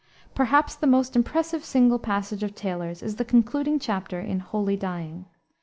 Perhaps the most impressive single passage of Taylor's is the concluding chapter in Holy Dying.